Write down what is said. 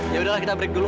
yaudahlah kita break dulu